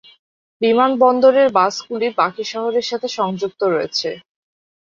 বিমানবন্দরের বাসগুলি বাকি শহরের সাথে সংযুক্ত রয়েছে।